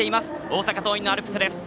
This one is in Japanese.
大阪桐蔭のアルプスです。